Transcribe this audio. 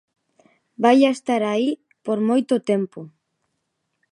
Vai a estar aí por moito tempo.